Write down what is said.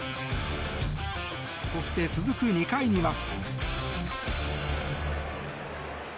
そして、続く２回には。